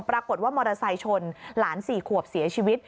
ปรากฏว่ามอเตอร์ไซค์ชนหลาน๔ขวบเสียชีวิต